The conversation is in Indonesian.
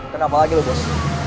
kenapa lagi lu bos